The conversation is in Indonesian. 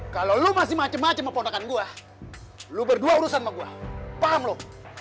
kalau lu masih macem macem memponakan gue lu berdua urusan sama gue paham lu